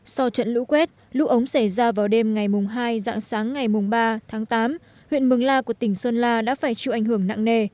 sau trận lũ quét lũ ống xảy ra vào đêm ngày hai dạng sáng ngày ba tháng tám huyện mường la của tỉnh sơn la đã phải chịu ảnh hưởng nặng nề